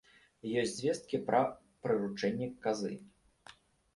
Ёсць звесткі пра прыручэнне казы.